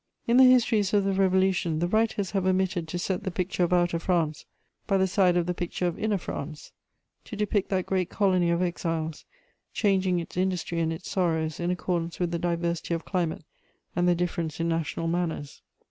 In the histories of the Revolution, the writers have omitted to set the picture of outer France by the side of the picture of inner France, to depict that great colony of exiles, changing its industry and its sorrows in accordance with the diversity of climate and the difference in national manners.